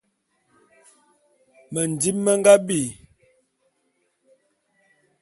Mendim me nga bi.